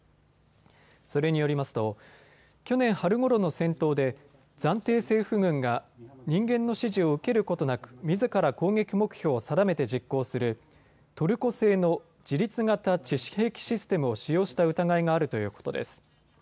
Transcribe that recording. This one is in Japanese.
それによりますと去年、春ごろの戦闘で暫定政府軍が人間の指示を受けることなくみずから攻撃目標を定めて実行するトルコ製の自律型致死兵器システムを使用した疑いがあるということです。